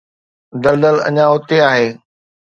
دلدل اڃا اتي آهي